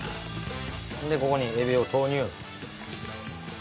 それでここにエビを投入。